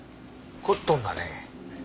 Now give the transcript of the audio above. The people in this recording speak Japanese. コットンだね。